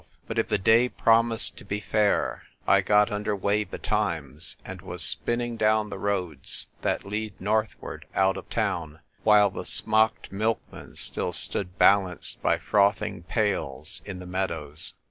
But if the day promised to be fair, I got under weigh betimes, and was spinning down the roads that lead northward out of town while the smocked milkman still stood balanced by frothing pails in the meadows.